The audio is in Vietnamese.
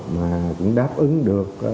mà cũng đáp ứng được